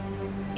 iya aku mengerti